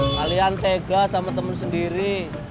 kalian tega sama temen sendiri